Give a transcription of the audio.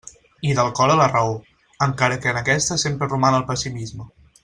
I del cor a la raó, encara que en aquesta sempre roman el pessimisme.